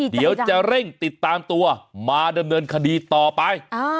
เดี๋ยวจะเร่งติดตามตัวมาดำเนินคดีต่อไป